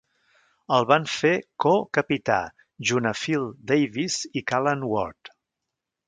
El van fer co-capità junt a Phil Davis i Callan Ward.